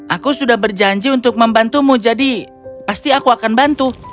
aku sudah berjanji untuk membantumu jadi pasti aku akan bantu